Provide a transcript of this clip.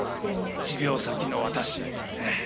「１秒先の私」っていうね。